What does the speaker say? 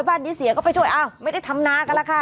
บ้านนี้เสียก็ไปช่วยอ้าวไม่ได้ทำนากันแล้วค่ะ